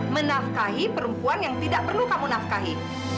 menafkahi perempuan yang tidak perlu kamu nafkahi